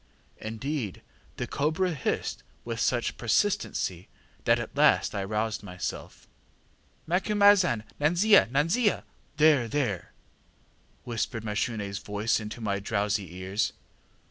Indeed, the cobra hissed with such persistency that at last I roused myself. ŌĆ£ŌĆś_Macumazahn, nanzia, nanzia!_ŌĆÖ (there, there!) whispered MashuneŌĆÖs voice into my drowsy ears.